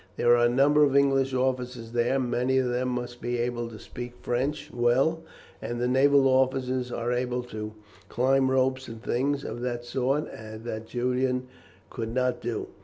There are numbers of English officers there; many of them must be able to speak French well, and the naval officers are able to climb ropes and things of that sort that Julian could not do.